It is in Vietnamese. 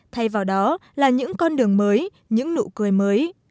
thay vào đó là những con đường mới những nụ cười mới